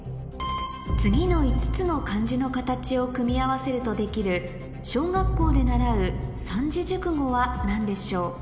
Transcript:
次の５つの漢字の形を組み合わせるとできる小学校で習う三字熟語は何でしょう？